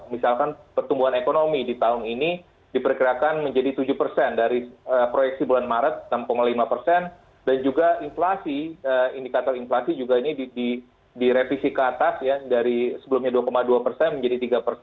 misalkan pertumbuhan ekonomi di tahun ini diperkirakan menjadi tujuh dari proyeksi bulan maret enam lima dan juga inflasi indikator inflasi juga ini direvisi ke atas ya dari sebelumnya dua dua menjadi tiga